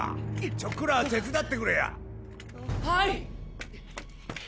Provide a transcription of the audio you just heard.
ちょっくら手伝ってくれや。ははい。